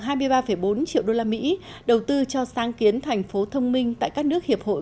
sustainable thermo bốn trăm linh siêu đô la mỹ đầu tư cho sáng kiến thành phố thông minh tại các nước hiệp hội